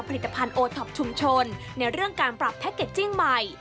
ผลิตภัณฑ์โอท็อปชุมชนในเรื่องการปรับแพ็คเกจจิ้งใหม่